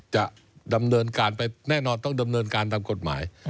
จะดำเนินการไปแน่นอนต้องดำเนินการตามกฎหมาย